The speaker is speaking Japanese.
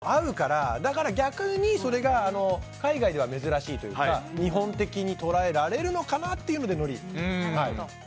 あまりにも合うから逆にそれが海外では珍しいというか日本的に捉えられるのかなっていうのでのり。